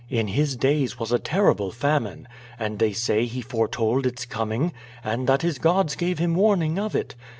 In his days was a terrible famine, and they say he foretold its coming, and that his gods gave him warning of it.